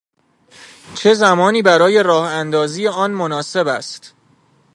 چه زمانی برای راه اندازی آن مناسب است؟